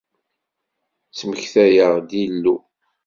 Ttmektayeɣ-d Illu.